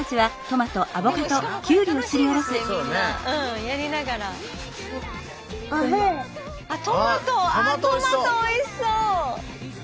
トマトおいしそう。